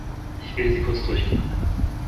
Ich werde sie kurz durchgehen.